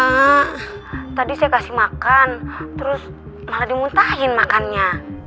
nah tadi saya kasih makan terus malah dimuntahin makannya